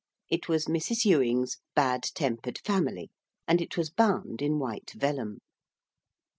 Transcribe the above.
It was Mrs. Ewing's Bad tempered Family, and it was bound in white vellum.